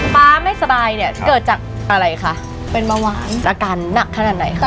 ๊าไม่สบายเนี่ยเกิดจากอะไรคะเป็นเบาหวานอาการหนักขนาดไหนคะ